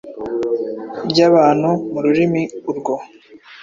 ryabantu mu rurimi urwo